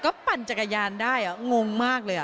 ขอบคุณมากนะคะที่เป็นกำลังใจให้พ่อ